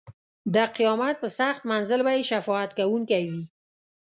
د قیامت په سخت منزل به یې شفاعت کوونکی وي.